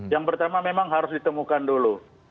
yang pertama memang harus ditemukan dulu